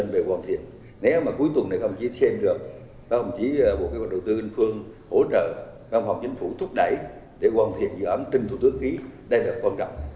phòng chính phủ thúc đẩy để quân thiện dự án trên thủ tướng ý đây là quan trọng